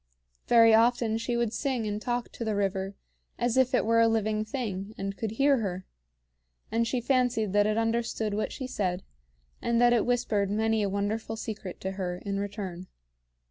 Very often she would sing and talk to the river as if it were a living thing, and could hear her; and she fancied that it understood what she said, and that it whispered many a wonderful secret to her in return.